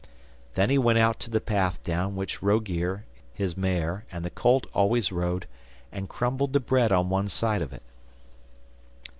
Then he went out to the path down which Rogear, his mare, and the colt always rode, and crumbled the bread on one side of it.